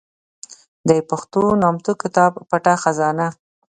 د پښتو نامتو کتاب پټه خزانه